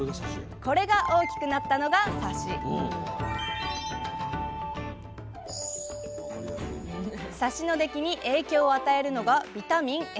これが大きくなったのがサシサシの出来に影響を与えるのがビタミンＡ。